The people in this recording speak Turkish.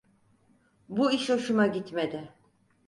Bu iş hoşuma gitmedi.